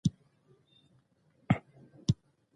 خلکو ته حق ورکړل شو.